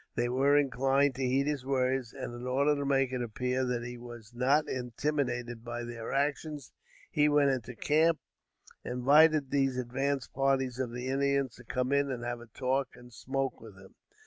They were inclined to heed his words; and, in order to make it appear that he was not intimidated by their actions, he went into camp, and invited these advance parties of the Indians to come in and have a talk and smoke with him.